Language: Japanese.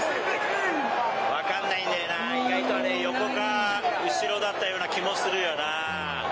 分かんないんだよな、意外とあれ、横か、後ろだったような気もするよな。